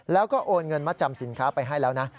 แล้วก็โอนเงินมัดจำสินค้าไปให้แล้วนะ